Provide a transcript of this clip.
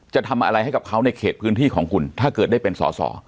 จะทำอะไรให้กับเขาในเขตพื้นที่ของคุณถ้าเกิดได้เป็นสอสอ